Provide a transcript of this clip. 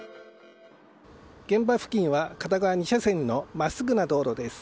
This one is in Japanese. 現場付近は片側２車線の真っすぐな道路です。